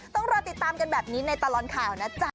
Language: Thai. ต้องรอติดตามกันแบบนี้ในตลอดข่าวนะจ๊ะ